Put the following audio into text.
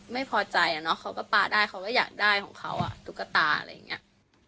ไม่พอใจอ่ะเนอะเขาก็ปลาได้เขาก็อยากได้ของเขาอ่ะตุ๊กตาอะไรอย่างนี้